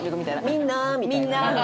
「みんな」みたいな。